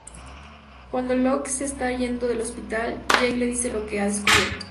Cuando Locke se está yendo del hospital, Jack le dice lo que ha descubierto.